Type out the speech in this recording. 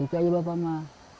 itu saja yang saya inginkan